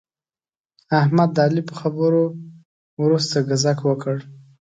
احمد د علي په خبرو ورسته ګذک وکړ.